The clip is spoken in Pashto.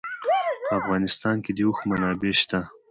په افغانستان کې د اوښ منابع شته.